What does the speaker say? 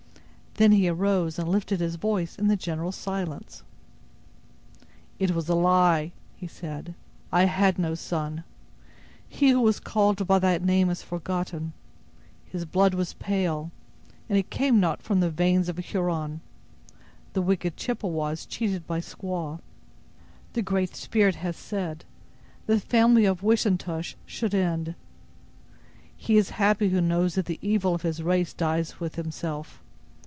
Then he arose and lifted his voice in the general silence. "It was a lie," he said; "I had no son. He who was called by that name is forgotten; his blood was pale, and it came not from the veins of a Huron; the wicked Chippewas cheated my squaw. The Great Spirit has said, that the family of Wiss entush should end; he is happy who knows that the evil of his race dies with himself.